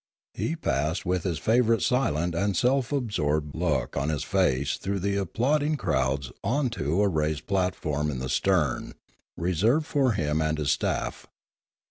He passed with his favourite silent and self absorbed look on his 208 Limanora face through the applauding crowds on to a raised platform in the stern, reserved for him and his staff.